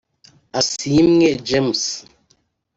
Asiimwe James